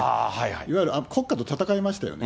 いわゆる、国家と闘いましたよね。